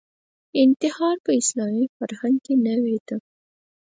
انتحار په اسلامي فرهنګ کې نوې ده